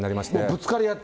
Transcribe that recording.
ぶつかり合って。